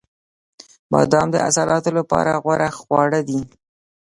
• بادام د عضلاتو لپاره غوره خواړه دي.